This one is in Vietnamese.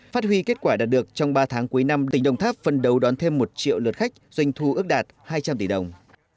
phát huy kết quả đạt được trong ba tháng cuối năm tỉnh đồng tháp phân đấu đón thêm một triệu lượt khách doanh thu ước đạt hai trăm linh tỷ đồng